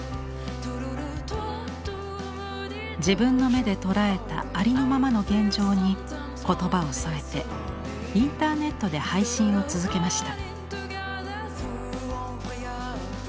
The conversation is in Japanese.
自分の目で捉えたありのままの現状に言葉を添えてインターネットで配信を続けました。